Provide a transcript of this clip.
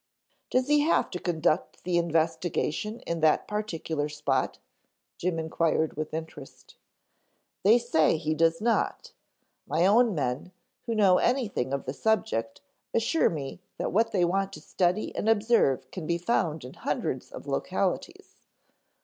"Does he have to conduct the investigation in that particular spot?" Jim inquired with interest. "They say he does not. My own men, who know anything of the subject assure me that what they want to study and observe can be found in hundreds of localities.